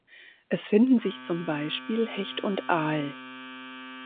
Es finden sich zum Beispiel Hecht und Aal.